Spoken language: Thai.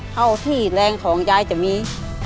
เท่าที่แรงของยายจะมี